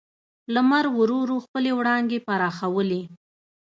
لمر ورو ورو خپلې وړانګې پراخولې.